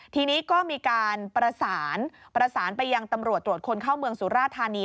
ทีนี้ก็มีการประสานประสานไปยังตำรวจตรวจคนเข้าเมืองสุราธานี